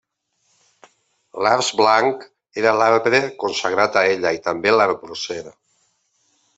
L'arç blanc era l'arbre consagrat a ella i també l'arbocer.